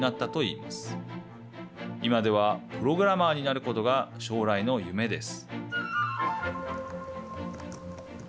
いまではプログラマーになることが将来の夢です。